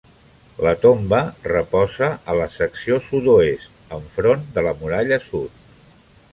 La tomba reposa a la secció sud-oest, enfront de la muralla sud.